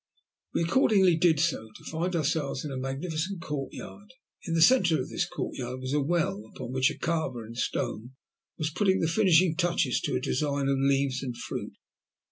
We accordingly did so to find ourselves in a magnificent courtyard. In the centre of this courtyard was a well, upon which a carver in stone was putting the finishing touches to a design of leaves and fruit.